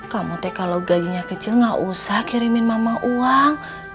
kamu teh kalau gajinya kecil gak usah kirimin mama uang